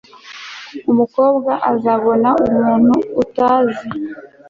Umukobwa azabona umuntu utazi